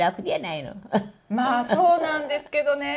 まあ、そうなんですけどね。